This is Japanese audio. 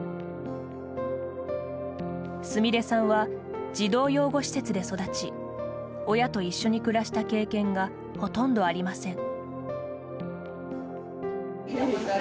すみれさんは児童養護施設で育ち親と一緒に暮らした経験がほとんどありません。